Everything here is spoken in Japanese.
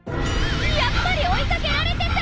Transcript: やっぱり追いかけられてた！